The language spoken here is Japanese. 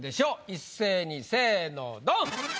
一斉にせぇのドン！